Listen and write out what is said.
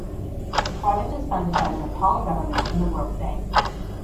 The project is funded by the Nepal Government and the World Bank.